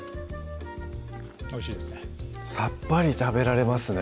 おいしいですねさっぱり食べられますね